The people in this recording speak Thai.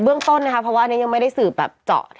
เรื่องต้นนะคะเพราะว่าอันนี้ยังไม่ได้สืบแบบเจาะ